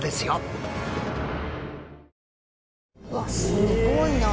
すごいな。